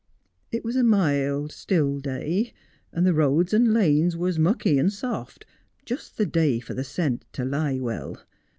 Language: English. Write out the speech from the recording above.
It was a mild, still day, and the roads and lanes was mucky and soft, just the day for the scent to lie well.